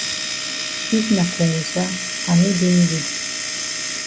If na kongosa I no dey me dey.